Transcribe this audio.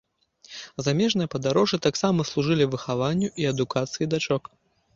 Замежныя падарожжы таксама служылі выхаванню і адукацыі дачок.